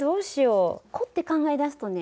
凝って考え出すとね